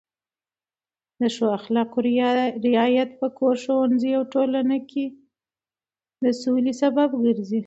د ښو اخلاقو رعایت په کور، ښوونځي او ټولنه کې د سولې سبب ګرځي.